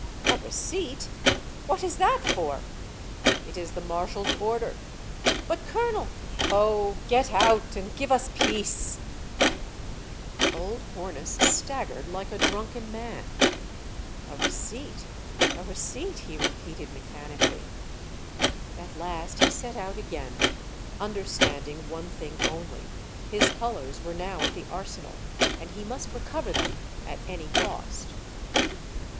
" A receipt? What is that for?" " It is the marshal's order." "But, colonel —"" Oh, get out ! and give us peace." Old Hornus staggered like a drunken man. The Color Sergeant, 123 " A receipt, a receipt," he repeated mechanically. At last he set out again, understanding one thing only, his colors were now at the Arsenal, and he must recover them at any cost.